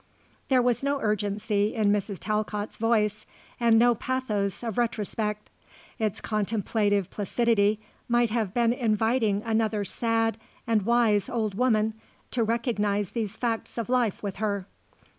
There was no urgency in Mrs. Talcott's voice and no pathos of retrospect. Its contemplative placidity might have been inviting another sad and wise old woman to recognize these facts of life with her.